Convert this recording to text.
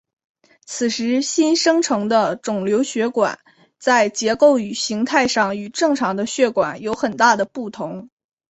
此时新生成的肿瘤血管在结构与形态上与正常的血管有很大的不同。